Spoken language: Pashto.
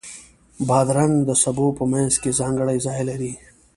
بادرنګ د سبو په منځ کې ځانګړی ځای لري.